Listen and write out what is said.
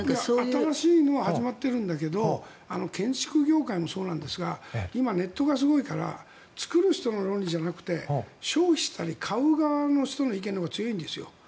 新しいのは始まっているけど建築業界もそうですが今、ネットがすごいから作る人の論理じゃなくて消費したり、買う側の人の意見が強いんですよ。